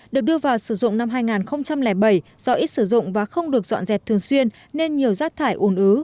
được đưa vào sử dụng năm hai nghìn bảy do ít sử dụng và không được dọn dẹp thường xuyên nên nhiều rác thải ồn ứ